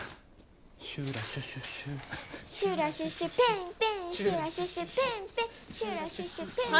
「シュラシュシュシュ」「シュラシュシュペンペン」「シュラシュシュペンペンシュラシュシュペンペン」